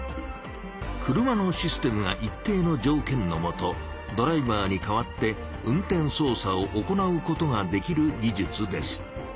車のシステムが一定のじょうけんのもとドライバーにかわって運転そう作を行うことができる技術です。